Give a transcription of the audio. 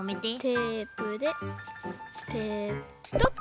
テープでペトッと。